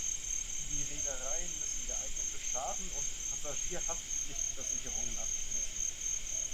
Die Redereien müssen geeignete Schaden- und Passagierhaftpflichtversicherungen abschließen.